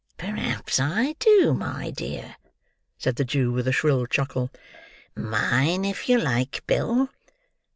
"Perhaps I do, my dear," said the Jew, with a shrill chuckle. "Mine, if you like, Bill."